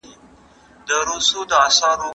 د ښوونکو لپاره د ښه تدریس پر وړاندې جایزي نه وي.